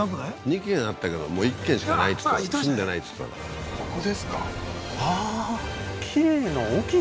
２軒あったけどもう１軒しかないっつってたから住んでないっつってたからここですか？